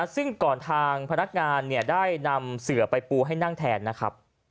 ซึ่งก่อนทางพนักงานได้นำเสือไปปูให้นั่งแทนนะครับ